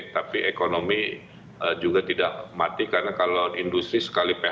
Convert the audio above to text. tapi ekonomi juga tidak mati karena kalau industri sekali phk